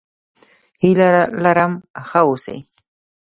هيله لرم ښه اوسې!